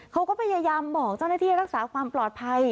เขาก็พยายามบอกเจ้าหน้าที่รักษาความปลอดภัย